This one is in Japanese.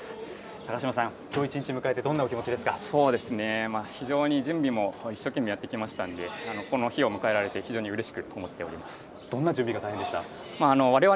高島さん、きょう一日迎えて、ど非常に、準備も一生懸命やってきましたんで、この日を迎えられて、非常にうれしく思っておりどんな準備が大変でした？